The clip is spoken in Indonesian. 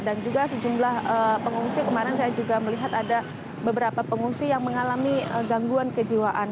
dan juga sejumlah pengungsi kemarin saya juga melihat ada beberapa pengungsi yang mengalami gangguan kejiwaan